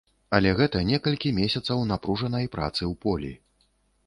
Але гэта некалькі месяцаў напружанай працы ў полі.